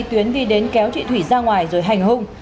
tuyến đi đến kéo chị thủy ra ngoài rồi hành hung